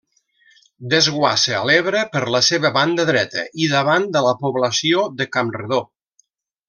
Desguassa a l'Ebre per la seva banda dreta i davant de la població de Campredó.